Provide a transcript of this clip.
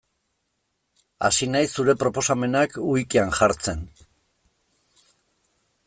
Hasi naiz zure proposamenak wikian jartzen.